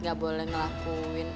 gak boleh ngelakuin